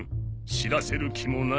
知らせる気もない。